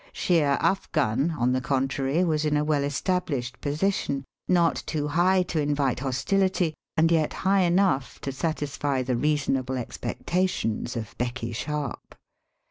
Sheer Afgan, on the contrary, was in a well established posi tion, not too high to invite hostiUty and yet high enough to satisfy the reasonable ex pectations of Becky Sharp.